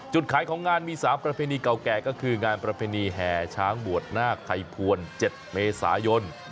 ขายของงานมี๓ประเพณีเก่าแก่ก็คืองานประเพณีแห่ช้างบวชนาคไทยพวน๗เมษายน